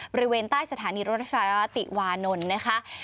บริเวณใต้สถานีรถไฟราติวานนท์นะคะ